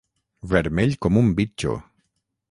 Vermell com un bitxo.